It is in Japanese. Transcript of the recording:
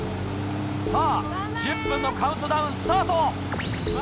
さぁ１０分のカウントダウンスタート。